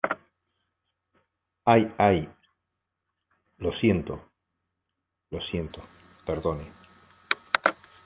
¡ ay, ay! lo siento , lo siento. perdone .